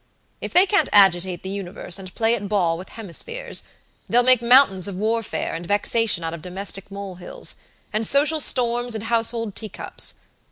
If they can't agitate the universe and play at ball with hemispheres, they'll make mountains of warfare and vexation out of domestic molehills, and social storms in household teacups.